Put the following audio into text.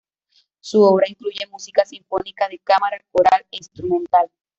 Su obra incluye música sinfónica, de cámara, coral e instrumental.